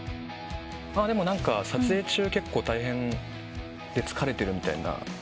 でも撮影中結構大変で疲れてるみたいな。